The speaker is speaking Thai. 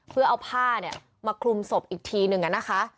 เพื่อเอาผ้ามาคลุมศพอีกทีหนึ่งนะคะ